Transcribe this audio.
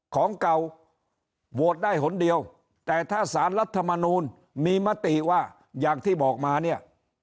ของเก่าโหวตได้หนเดียวแต่ถ้าสารรัฐมนูลมีมติว่าอย่างที่บอกมาเนี่ย